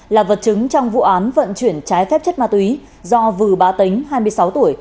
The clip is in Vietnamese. là vật chứng trong vụ án vận chuyển trái phép chất ma túy do vừ bá tính hai mươi sáu tuổi